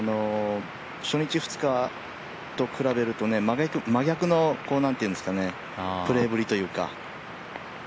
初日、２日に比べると、真逆のプレーぶりというか。